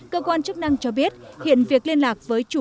cơ quan chức năng cho biết hiện việc liên lạc với dự phòng